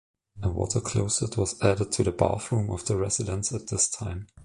A water closet was added to the bathroom of the residence at this time.